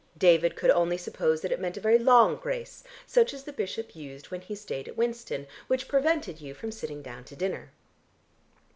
David could only suppose that it meant a very long grace, such as the bishop used when he stayed at Winston, which prevented you from sitting down to dinner....